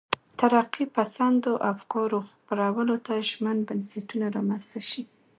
ترقي پسندو افکارو خپرولو ته ژمن بنسټونه رامنځته شي.